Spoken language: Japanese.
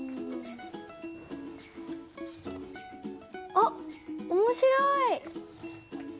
あっ面白い！